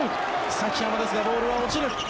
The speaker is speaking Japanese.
崎濱ですが、ボールは落ちる。